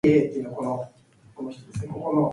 The song was written by Doc Pomus and Mort Shuman.